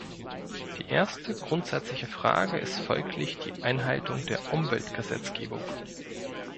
Die erste grundsätzliche Frage ist folglich die Einhaltung der Umweltgesetzgebung.